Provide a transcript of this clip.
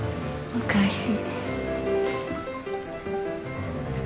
おかえり。